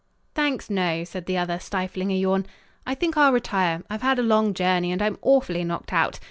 "Thanks, no," said the other, stifling a yawn. "I think I'll retire. I've had a long journey and I'm awfully knocked out.